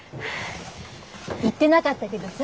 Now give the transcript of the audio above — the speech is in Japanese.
言ってなかったけどさ。